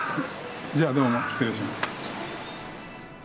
じゃあどうも失礼します。